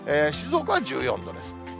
静岡は１４度です。